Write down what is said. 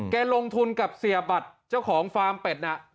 ลงทุนกับเสียบัตรเจ้าของฟาร์มเป็ดน่ะ